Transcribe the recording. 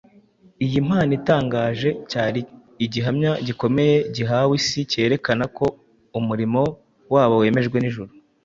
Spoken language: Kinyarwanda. Iyi mpano itangaje cyari igihamya gikomeye gihawe isi cyerekana ko umurimo wabo wemewe n’ijuru